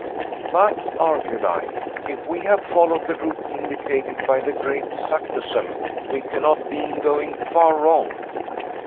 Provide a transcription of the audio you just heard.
"But," argued I, "if we have followed the route indicated by the great Saknussemm, we cannot be going far wrong."